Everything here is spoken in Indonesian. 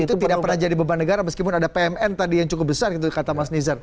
itu tidak pernah jadi beban negara meskipun ada pmn tadi yang cukup besar gitu kata mas nizar